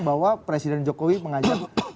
bahwa presiden jokowi mengajak